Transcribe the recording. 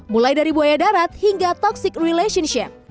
mulai dari buaya darat hingga toxic relationship